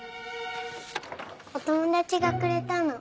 お友達がくれたの。